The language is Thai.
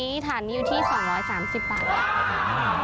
ตัวนี้ถันอยู่ที่๒๓๐บาท